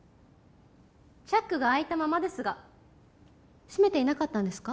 チャックが開いたままですが閉めていなかったんですか？